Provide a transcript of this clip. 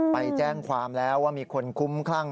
ไปแจ้งความแล้วว่ามีคนคุ้มคลั่ง